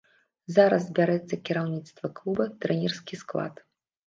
Зараз збярэцца кіраўніцтва клуба, трэнерскі склад.